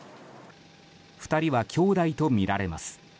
２人は兄弟とみられます。